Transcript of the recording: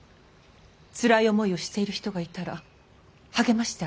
つらい思いをしている人がいたら励ましてあげたい。